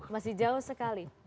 masih jauh sekali